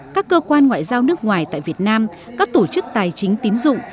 các cơ quan ngoại giao nước ngoài tại việt nam các tổ chức tài chính tín dụng